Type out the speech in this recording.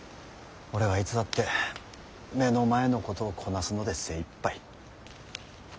俺はいつだって目の前のことをこなすので精いっぱい。